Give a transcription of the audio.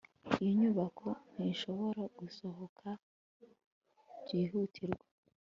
Iyo nyubako ntishobora gusohoka byihutirwa